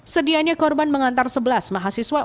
sedianya korban mengantar sebelas mahasiswa